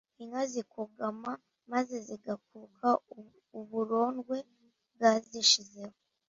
inka zikogamo, maze zigakuka uburondwe bwazishizeho.